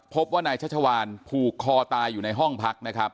พบว่านายชัชวานผูกคอตายอยู่ในห้องพักนะครับ